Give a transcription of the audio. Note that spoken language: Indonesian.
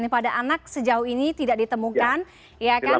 pada anak sejauh ini tidak ditemukan